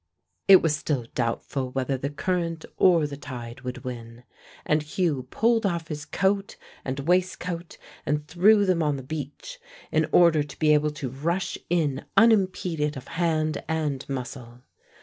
It was still doubtful whether the current or the tide would win, and Hugh pulled off his coat and waistcoat, and threw them on the beach, in order to be able to rush in unimpeded of hand and muscle.